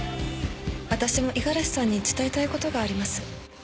私も五十嵐さんに伝えたいことがあります